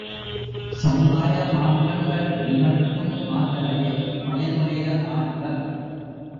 சமுதாய மாற்றங்கள் நிகழ்த்தும் ஆற்றலே பயனுடைய ஆற்றல்.